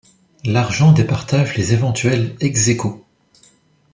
L'argent départage les éventuels ex-æquo.